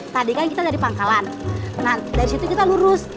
tadi kan kita dari pangkalan nah dari situ kita lurus